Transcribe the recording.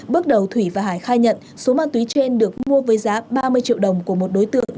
bước đầu thủy và hải khai nhận số ma túy trên được mua với giá ba mươi triệu đồng của một đối tượng